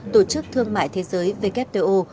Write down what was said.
tổ chức thương mại thế giới wto